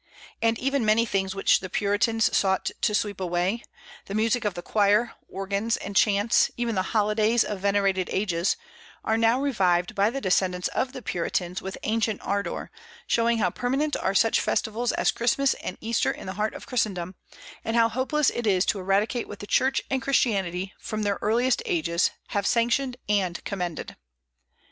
And even many things which the Puritans sought to sweep away the music of the choir, organs, and chants, even the holidays of venerated ages are now revived by the descendants of the Puritans with ancient ardor; showing how permanent are such festivals as Christmas and Easter in the heart of Christendom, and how hopeless it is to eradicate what the Church and Christianity, from their earliest ages, have sanctioned and commended.